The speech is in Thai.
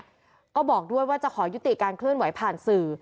แล้วก็บอกด้วยว่าจะขอยุติการเคลื่อนไหวผ่านสื่อ